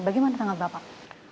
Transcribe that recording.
bagaimana tanggap bapak